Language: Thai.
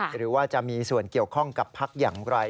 หรือว่าจะมีส่วนเกี่ยวข้องกับพักอย่างไร